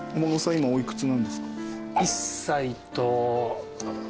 今お幾つなんですか？